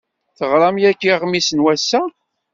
Teɣram yagi aɣmis n wass-a.